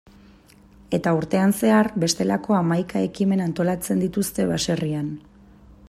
Eta urtean zehar, bestelako hamaika ekimen antolatzen dituzte baserrian.